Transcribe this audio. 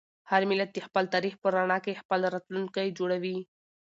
هر ملت د خپل تاریخ په رڼا کې خپل راتلونکی جوړوي.